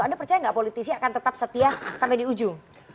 anda percaya nggak politisi akan tetap setia sampai di ujung